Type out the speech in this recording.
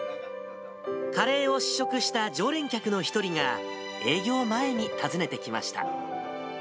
カレーを試食した常連客の一人が、営業前に訪ねてきました。